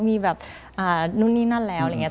มีแบบนู่นนี่นั่นแล้วอะไรอย่างนี้